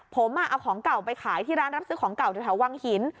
ผมเอาของเก่าไปขายที่ร้านรับซื้อของเก่าแถววังหิน